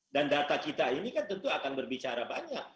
dan data kita ini kan tentu akan berbicara banyak